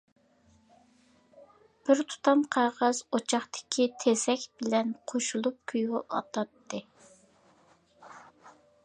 بىر تۇتام قەغەز ئوچاقتىكى تېزەك بىلەن قوشۇلۇپ كۆيۈۋاتاتتى.